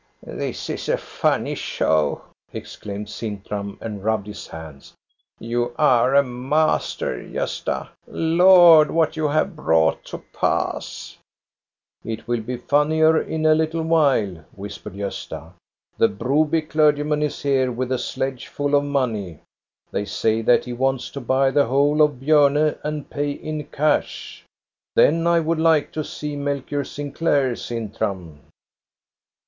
" This is a funny show," exclaimed Sintram, and rubbed his hands. You are a master, Gosta. Lord, what you have brought to pass !"" It will be funnier in a little while," whispered Gosta. " The Broby clergyman is here with a sledge full of money. They say that he wants to buy the THE AUCTION AT BJORNE 151 whole of Bjorne and pay in cash. Then I would like to see Melchior Sinclair, Sintram."